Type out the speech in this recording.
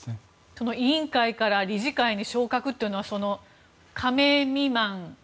その委員会から理事会に昇格というのは加盟未満